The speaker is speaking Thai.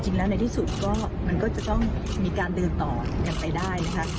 ในที่สุดก็มันก็จะต้องมีการเดินต่อกันไปได้นะคะ